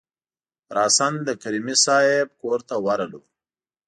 راسآ د کریمي صیب کورته ورغلو.